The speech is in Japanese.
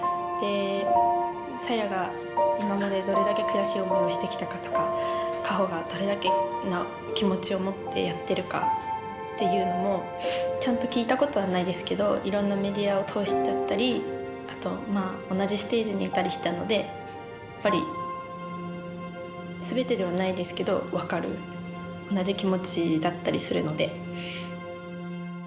でさやが今までどれだけ悔しい思いをしてきたかとかかほがどれだけの気持ちを持ってやってるかっていうのもちゃんと聞いたことはないですけどいろんなメディアを通してだったりあとまあ同じステージにいたりしたのでやっぱり全てではないですけど分かる同じ気持ちだったりするので。